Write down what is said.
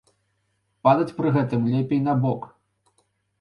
Падаць пры гэтым лепей на бок.